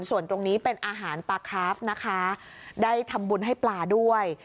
ส่วนตรงนี้เป็นอาหารปลาคราฟนะคะได้ทำบุญให้ปลาด้วย